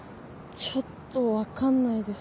ちょっと分かんないです。